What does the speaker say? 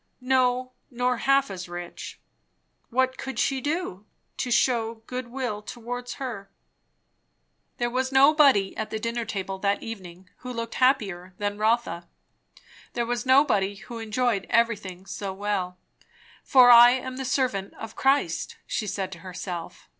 No, nor half as rich. What could she do, to shew good will towards her? There was nobody at the dinner table that evening, who looked happier than Rotha; there was nobody who enjoyed everything so well. For I am the servant of Christ she said to herself.